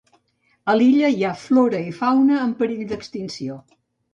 A l'illa hi ha flora i fauna en perill d'extinció.